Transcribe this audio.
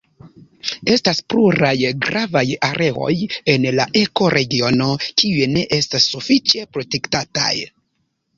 Estas pluraj gravaj areoj en la ekoregiono kiuj ne estas sufiĉe protektataj.